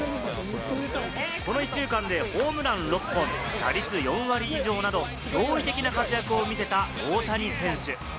この１週間でホームラン６本、打率４割以上など驚異的な活躍を見せた大谷選手。